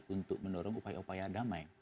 untuk mendorong upaya upaya damai